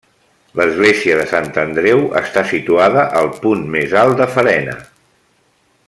L'església de Sant Andreu està situada al punt més alt de Farena.